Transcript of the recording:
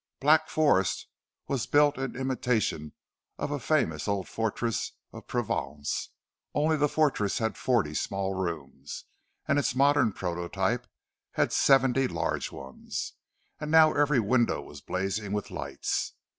"Black Forest" was built in imitation of a famous old fortress in Provence—only the fortress had forty small rooms, and its modern prototype had seventy large ones, and now every window was blazing with lights.